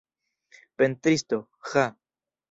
Pentristo, ĥa!..